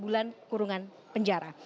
empat bulan kurungan penjara